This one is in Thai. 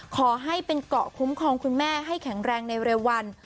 ขอให้เป็นเกาะคุ้มครองคุณแม่ให้แข็งแรงในเร็ววัน